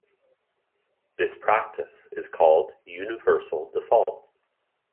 This practice is called universal default.